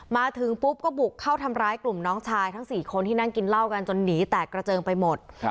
มาถึงปุ๊บก็บุกเข้าทำร้ายกลุ่มน้องชายทั้ง๔คนที่นั่งกินเหล้ากันจนหนีแตกกระเจิงไปหมด